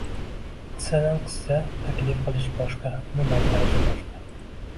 Qissadan hissa: Taklif qilish bosh¬qa, uni bajarish boshqa